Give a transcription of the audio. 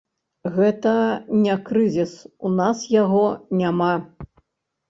Гэта не крызіс, у нас яго няма.